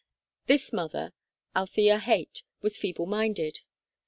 This mother, Althea Haight, was feeble minded.